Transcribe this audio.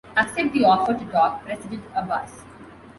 Accept the offer to talk, President Abbas.